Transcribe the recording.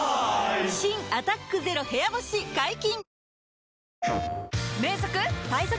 新「アタックＺＥＲＯ部屋干し」解禁‼